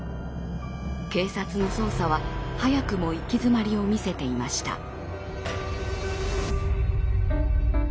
警察の捜査は早くも行き詰まりを見せていました。